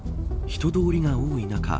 人通りが多い中